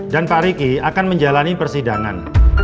dan pak riki akan menjalani persidangan